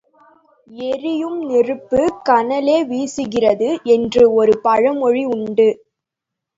எரியும் நெருப்புக் கனலே வீசுகிறது என்று ஒரு பழமொழி உண்டு.